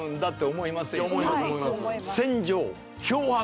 思います